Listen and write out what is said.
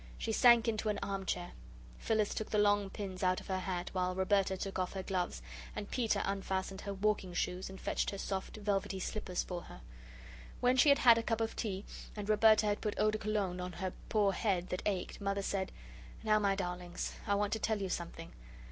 She sank into an arm chair. Phyllis took the long pins out of her hat, while Roberta took off her gloves, and Peter unfastened her walking shoes and fetched her soft velvety slippers for her. When she had had a cup of tea, and Roberta had put eau de Cologne on her poor head that ached, Mother said: "Now, my darlings, I want to tell you something.